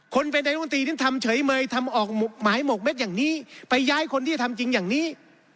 คนเป็นนายมนตรีนั้นทำเฉยเมยทำออกหมายหมกเม็ดอย่างนี้ไปย้ายคนที่จะทำจริงอย่างนี้